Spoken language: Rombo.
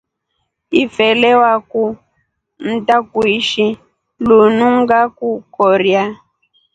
Ifele waku ntakuishhi lunu ngakuloria.